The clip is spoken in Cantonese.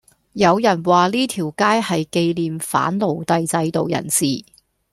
有人話呢條街係記念反奴隸制度人士